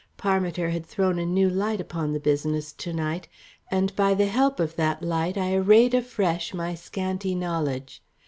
Parmiter had thrown a new light upon the business tonight, and by the help of that light I arrayed afresh my scanty knowledge.